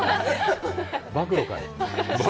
暴露かよ。